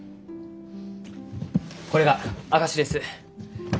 これが証しです。